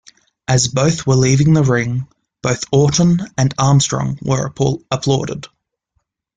As both were leaving the ring, both Orton and Armstrong were applauded.